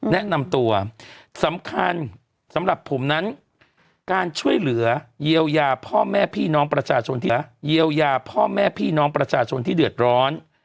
แนะนำตัวสำคัญสำหรับผมนั้นการช่วยเหลือเยียวยาพ่อแม่พี่น้องประชาชนที่เดือดร้อน